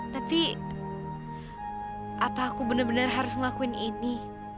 tapi apa aku bener bener harus ngelakuin ini